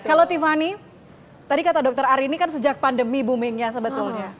kalau tiffany tadi kata dokter ari ini kan sejak pandemi boomingnya sebetulnya